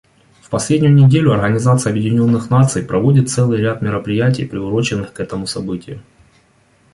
В последнюю неделю Организация Объединенных Наций проводит целый ряд мероприятий, приуроченных к этому событию.